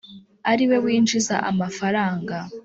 ari we winjiza amafaranga